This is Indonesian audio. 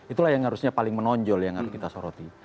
itulah yang harusnya paling menonjol yang harus kita soroti